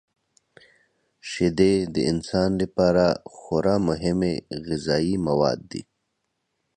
شیدې د انسان لپاره خورا مهمې غذايي مواد دي.